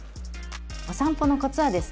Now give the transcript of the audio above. おさんぽのコツはですね